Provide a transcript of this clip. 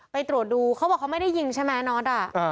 ไปตรวจดูเขาบอกเขาไม่ได้ยิงใช่ไหมน็อต